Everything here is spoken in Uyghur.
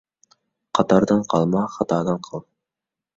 قاتاردىن قالما، خاتادىن قال.